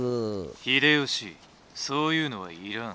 「秀吉そういうのはいらん」。